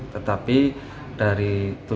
tetapi dari tujuh belas